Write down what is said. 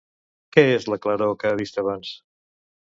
Què és la claror que ha vist abans?